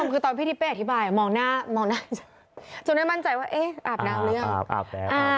คุณผู้ชมที่พี่อธิบายตอนมองหน้าจนได้มั่นใจว่าอาบน้ำเรื่อง